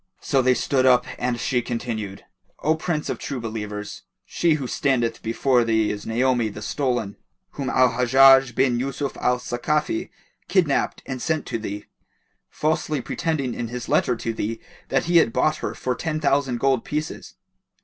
So they stood up and she continued, "O Prince of True Believers, she who standeth before thee is Naomi the stolen, whom Al Hajjaj bin Yusuf al Sakafi kidnapped and sent to thee, falsely pretending in his letter to thee that he had bought her for ten thousand gold pieces.